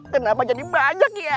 kenapa jadi banyak ya